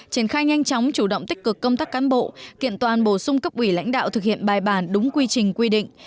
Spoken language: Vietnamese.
triển khai nhanh chóng chủ động tích cực công tác cán bộ kiện toàn bổ sung cấp ủy lãnh đạo thực hiện bài bản đúng quy trình quy định